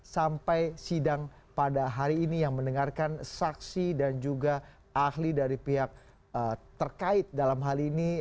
sampai sidang pada hari ini yang mendengarkan saksi dan juga ahli dari pihak terkait dalam hal ini